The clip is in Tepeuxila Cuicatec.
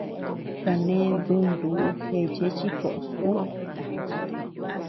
Kané düntuu jecheé chi koʼos ú.